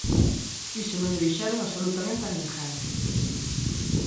Iso non llo dixeron absolutamente a ninguén.